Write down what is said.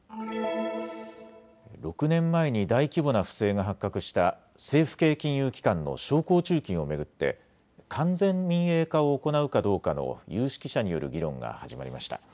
６年前に大規模な不正が発覚した政府系金融機関の商工中金を巡って完全民営化を行うかどうかの有識者による議論が始まりました。